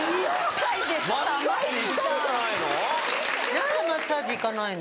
何でマッサージ行かないの？